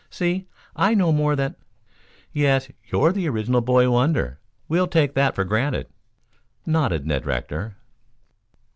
"See, I know more than " "Yes; you're the original boy wonder. We'll take that for granted," nodded Ned Rector.